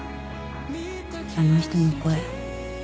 あの人の声